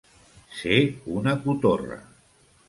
Ser una cotorra.